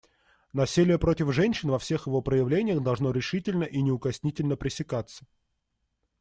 Насилие против женщин во всех его проявлениях должно решительно и неукоснительно пресекаться.